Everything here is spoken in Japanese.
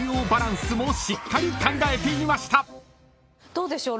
どうでしょう？